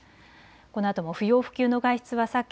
このあとも不要不急の外出は避け